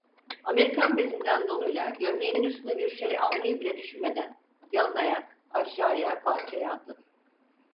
Amerikan bezinden donuyla gömleğinin üstüne bir şey almayı bile düşünmeden, yalınayak, aşağıya, bahçeye atladı…